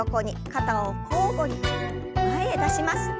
肩を交互に前へ出します。